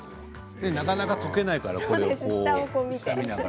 なかなか溶けないから下を見ながら。